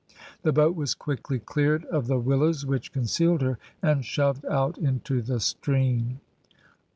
The boat was quickly cleared of the willows which concealed her, and shoved out into the stream.